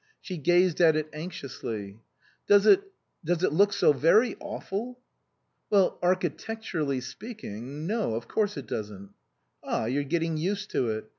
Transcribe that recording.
She gazed at it anxi ously. " Does it does it look so very awful ?"" Well architecturally speaking No, of course it doesn't." "Ah, you're getting used to it.